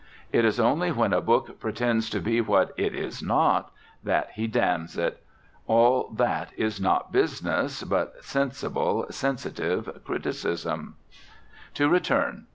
It is only when a book pretends to be what it is not, that he damns it. All that is not business, but sensible, sensitive criticism. To return.